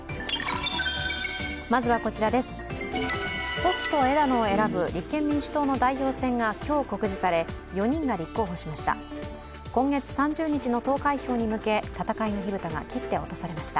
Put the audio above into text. ポスト枝野を選ぶ立憲民主党の代表選が今日告示され、４人が立候補しました。